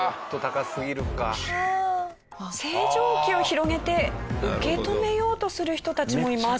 星条旗を広げて受け止めようとする人たちもいます。